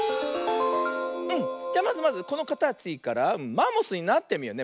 じゃまずまずこのかたちからマンモスになってみようね。